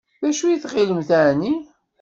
D acu i tɣilem εni?